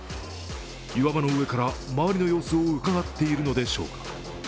岩場の上から周りの様子をうかがっているのでしょうか。